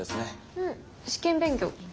うん試験勉強。